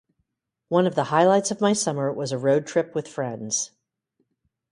One of the highlights of my summer was a road trip with friends.